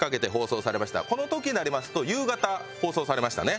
この時になりますと夕方放送されましたね。